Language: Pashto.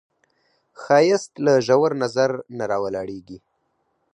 ښایست له ژور نظر نه راولاړیږي